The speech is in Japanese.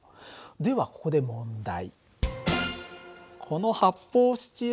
ではここで問題。